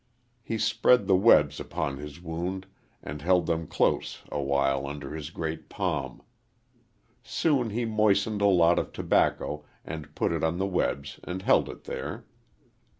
He spread the webs upon his wound, and held them close awhile under his great palm. Soon he moistened a lot of tobacco and put it on the webs and held it there.